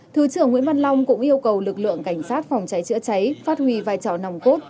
thứ trưởng nguyễn văn long cũng yêu cầu lực lượng cảnh sát phòng cháy chữa cháy phát huy vai trò nòng cốt